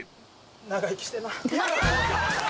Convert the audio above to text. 長生きしてな。